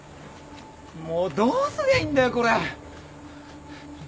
もうどうすりゃいいんだよこれ。